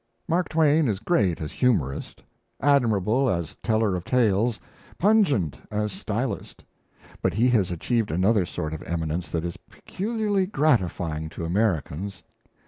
Mark Twain is great as humorist, admirable as teller of tales, pungent as stylist. But he has achieved another sort of eminence that is peculiarly gratifying to Americans.